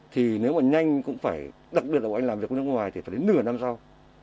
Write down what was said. thì nếu mà nhanh cũng phải đặc biệt là của anh làm việc ở nước ngoài thì phải đến nửa năm sau